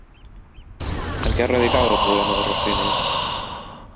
En què radicava el problema de Rossini?